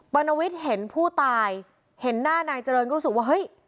รณวิทย์เห็นผู้ตายเห็นหน้านายเจริญก็รู้สึกว่าเฮ้ย